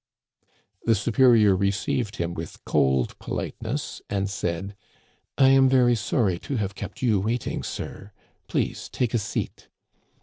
The superior received him with cold politeness, and said :" I am very sorry to have kept you waiting, sir ; please take a seat."